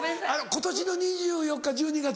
今年の２４日１２月